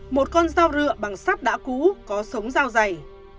một con dao rựa bằng sắt đã cú có sống dao dày